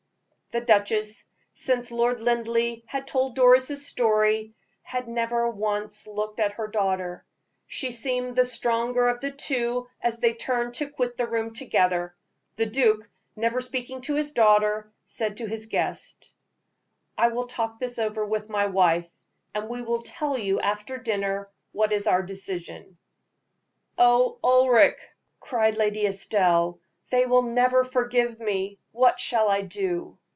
The duchess, since Lord Linleigh had told Doris' story, had never once looked at her daughter. She seemed the stronger of the two as they turned to quit the room together. The duke, never speaking to his daughter, said to his guest: "I will talk this over with my wife, and we will tell you after dinner what is our decision." "Oh, Ulric!" cried Lady Estelle, "they will never forgive me. What shall I do?"